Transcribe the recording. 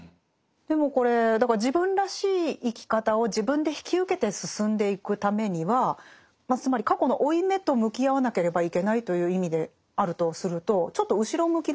でもこれだから自分らしい生き方を自分で引き受けて進んでいくためにはまあつまり過去の負い目と向き合わなければいけないという意味であるとするとちょっと後ろ向きな考えと言えますか？